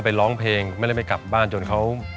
ร้องเพลงไม่ได้ไม่กลับบ้านจนเขา